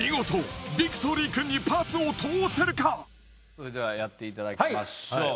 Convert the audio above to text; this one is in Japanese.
それではやっていただきましょう。